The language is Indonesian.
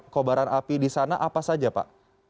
kobaran api di sana apa saja pak